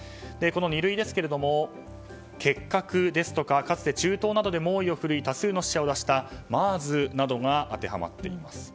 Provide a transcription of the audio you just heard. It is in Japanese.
二類ですが、結核ですとかかつて中東などで猛威を振るい多数の死者を出したＭＥＲＳなどが当てはまっています。